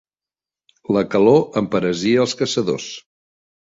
La calor emperesia els caçadors.